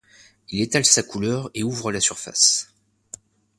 Il étale sa couleur et ouvre la surface.